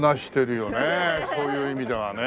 そういう意味ではね。